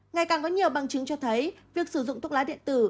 ngày càng có nhiều bằng chứng cho thấy việc sử dụng thuốc lá điện tử